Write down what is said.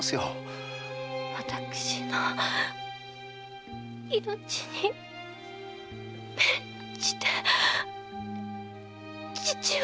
私の命に免じて父を！